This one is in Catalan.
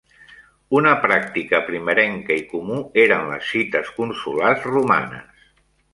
Una pràctica primerenca i comú eren les cites "consulars" romanes.